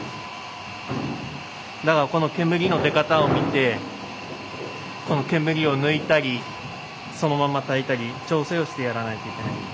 だからこの煙の出方を見てこの煙を抜いたりそのまま焚いたり調整をしてやらないといけないので。